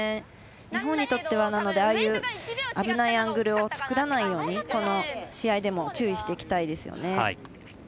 日本にとっては、ああいう危ないアングルを作らないように、この試合でも注意していきたいですよね。